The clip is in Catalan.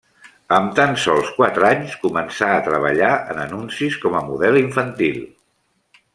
Amb tan sols quatre anys començà a treballar en anuncis com a model infantil.